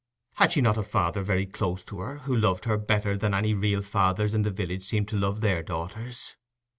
Had she not a father very close to her, who loved her better than any real fathers in the village seemed to love their daughters?